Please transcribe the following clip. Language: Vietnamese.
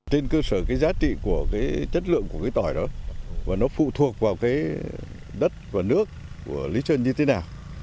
trên cơ sở cái giá trị của cái chất lượng của cái tỏi đó và nó phụ thuộc vào cái đất và nước của lý sơn như thế nào